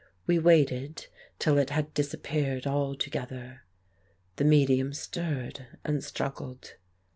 We waited till it had disappeared altogether. The medium stirred and struggled.